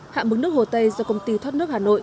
hạ mức nước hồ tây do công ty thoát nước hà nội